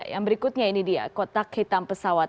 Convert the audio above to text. yang berikutnya ini dia kotak hitam pesawat